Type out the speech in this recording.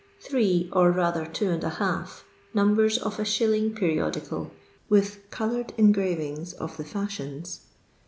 Three, or rather two and a half, numbers of a ahiUing periodical, witli "coloured engravings of the fashions."